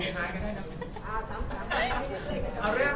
สวัสดีครับ